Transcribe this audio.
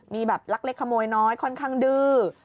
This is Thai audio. มีแบบลักเล็กขโมยน้อยค่อนข้างดื้อ